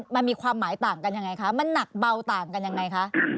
มันมีความหมายต่างกันยังไงคะมันหนักเบาต่างกันยังไงคะ